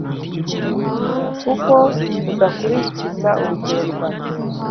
Kuki udakurikiza urugero rwa Theo